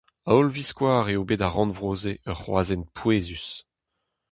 A-holl-viskoazh eo bet ar rannvro-se ur c'hroashent pouezus.